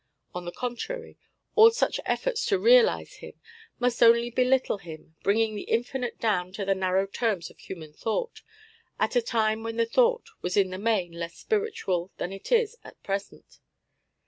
On the contrary, all such efforts to realise Him must only belittle Him, bringing the Infinite down to the narrow terms of human thought, at a time when that thought was in the main less spiritual than it is at present.